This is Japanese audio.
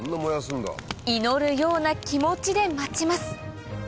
祈るような気持ちで待ちます